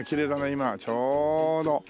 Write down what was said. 今ちょうど。